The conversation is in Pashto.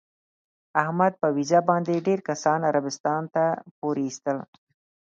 احمد په ویزه باندې ډېر کسان عربستان ته پورې ایستل.